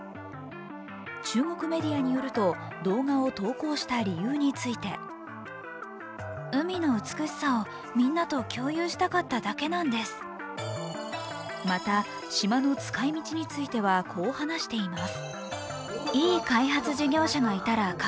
中国メディアによると動画を投稿した理由についてまた、島の使い道についてはこう話しています。